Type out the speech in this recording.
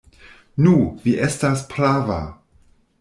Nu, vi estas prava.